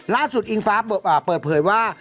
ล่าสุดอิงฟ้าเปิดเผยว่า